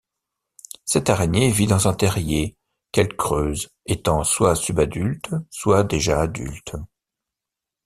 Cette araignée vit dans un terrier, qu'elle creuse étant soit subadulte soit déjà adulte.